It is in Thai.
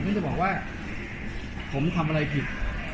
จะบอกว่าผมทำอะไรผิด